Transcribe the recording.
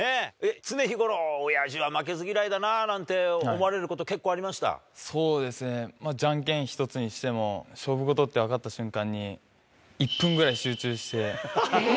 常日頃、おやじは負けず嫌いだななんて思われること、結構ありまそうですね、じゃんけん一つにしても、勝負事って分かった瞬間に、１分ぐらい集中して。